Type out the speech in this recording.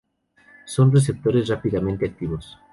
Son receptores rápidamente activos.